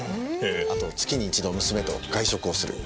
あと月に一度娘と外食をする。